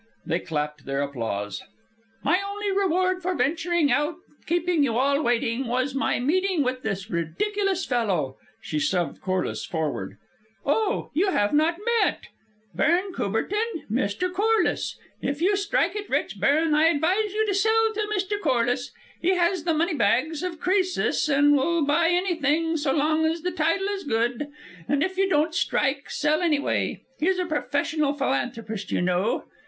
They clapped their applause. "My only reward for venturing out and keeping you all waiting was my meeting with this ridiculous fellow." She shoved Corliss forward. "Oh! you have not met! Baron Courbertin, Mr. Corliss. If you strike it rich, baron, I advise you to sell to Mr. Corliss. He has the money bags of Croesus, and will buy anything so long as the title is good. And if you don't strike, sell anyway. He's a professional philanthropist, you know.